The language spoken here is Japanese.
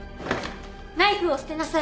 ナイフを捨てなさい。